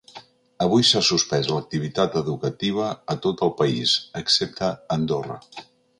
Avui s’ha suspès l’activitat educativa a tot el país, excepte a Andorra.